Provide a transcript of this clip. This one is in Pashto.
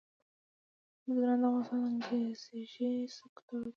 بزګان د افغانستان د انرژۍ سکتور برخه ده.